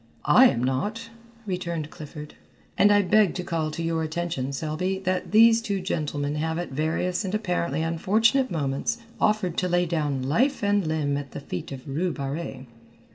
"I am not," returned Clifford, "and I beg to call to your attention, Selby, that these two gentlemen have at various and apparently unfortunate moments, offered to lay down life and limb at the feet of Rue Barrée.